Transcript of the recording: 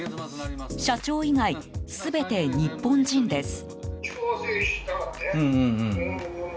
社長以外、全て日本人です。